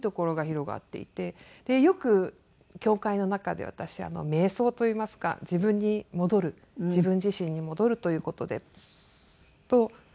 よく教会の中で私瞑想といいますか自分に戻る自分自身に戻るという事でスーッとしていました。